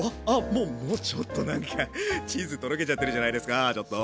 もうもうちょっとなんかチーズとろけちゃってるじゃないですかちょっと。